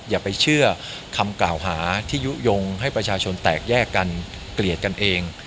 อย่าไปเชื่อคำกล่าวหาที่ยุโยงให้ประชาชนแตกแยกกันเกลียดกันเอง